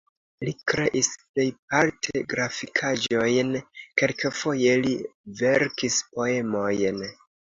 Li kreis plejparte grafikaĵojn, kelkfoje li verkis poemojn.